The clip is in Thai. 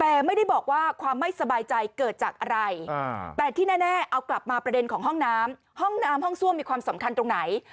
แต่ไม่ได้บอกว่าความไม่สบายใจเกิดจากอะไรแต่ที่แน่เอากลับมาประเด็นของห้องน้ำห้องน้ำห้องซ่วมมีความสำคัญตรงไหน